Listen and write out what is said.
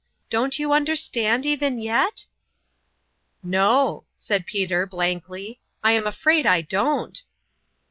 Don't you understand even yet ?" "No," said Peter, blankly, "I'm afraid I don't."